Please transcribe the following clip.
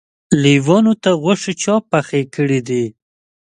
لېوانو ته غوښې چا پخې کړی دي.